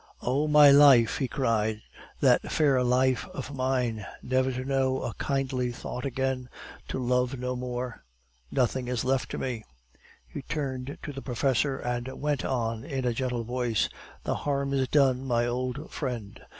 "Oh, my life!" he cried, "that fair life of mine. Never to know a kindly thought again, to love no more; nothing is left to me!" He turned to the professor and went on in a gentle voice "The harm is done, my old friend.